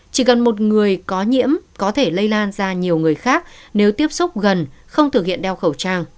chỉ cần một người có nhiễm có thể lây lan ra nhiều người khác nếu tiếp xúc gần không thực hiện đeo khẩu trang